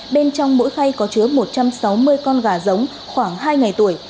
bên trong mỗi khay có chứa một trăm sáu mươi con gà giống khoảng hai ngày tuổi